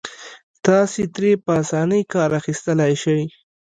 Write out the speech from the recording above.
تاسې ترې په اسانۍ کار اخيستلای شئ.